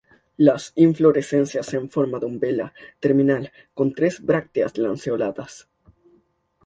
Las inflorescencias en forma de umbela, terminal, con tres brácteas lanceoladas.